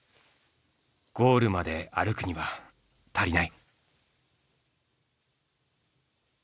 ゴールまで歩くには足りない。